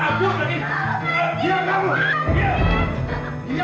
amba mohon pertolonganmu ya allah